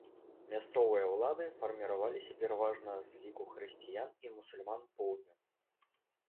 Мясцовыя ўлады фарміраваліся пераважна з ліку хрысціян і мусульман поўдню.